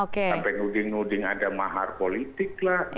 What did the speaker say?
sampai nuding nuding ada mahar politik lah